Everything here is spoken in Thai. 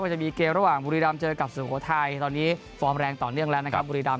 ว่าจะมีเกมระหว่างบุรีดามเจอกับสถานกฐานไทยตอนนี้ฟอร์มแรงต่อเนื่องแล้วนะครับ